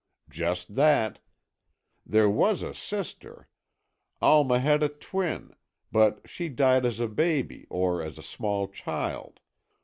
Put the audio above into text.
"Just that. There was a sister. Alma had a twin. But she died as a baby, or as a small child.